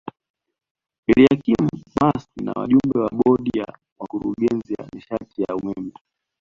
Eliakim Maswi na wajumbe wa Bodi ya Wakurugenzi ya nishati ya umeme